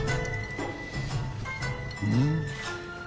うん。